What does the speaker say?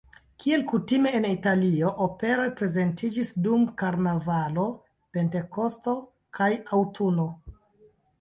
Kiel kutime en Italio, operoj prezentiĝis dum karnavalo, pentekosto kaj aŭtuno.